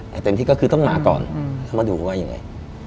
แต่เต็มที่ก็คือต้องหมาก่อนมาดูว่าอย่างไร